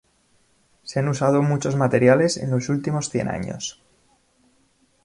Se han usado muchos materiales en los últimos cien años.